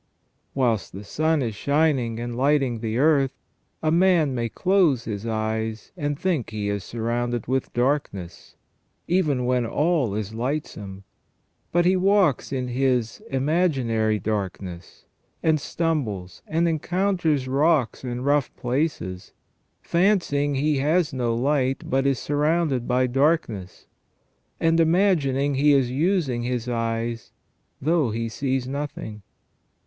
Whilst the sun is shining and lighting the earth, a man may close his eyes and think he is surrounded with darkness, even when all is lightsome ; but he walks in his imaginary darkness, and stumbles, and encounters rocks and rough places, fancying he has no light but is surrounded by darkness, and imagining he is using his eyes though he sees nothing.